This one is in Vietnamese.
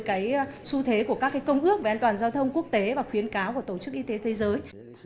cái xu thế của các cái công ước về an toàn giao thông quốc tế và khuyến cáo của tổ chức y tế thế giới